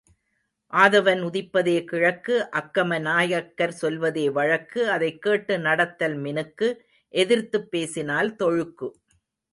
ஆதவன் உதிப்பதே கிழக்கு அக்கம நாயக்கர் சொல்வதே வழக்கு அதைக் கேட்டு நடத்தல் மினுக்கு எதிர்த்துப் பேசினால் தொழுக்கு.